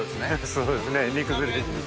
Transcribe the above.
そうですね煮崩れずに。